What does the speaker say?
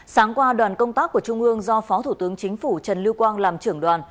sáng qua đoàn công tác của trung ương do phó thủ tướng chính phủ trần lưu quang làm trưởng đoàn